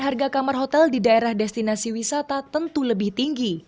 harga kamar hotel di daerah destinasi wisata tentu lebih tinggi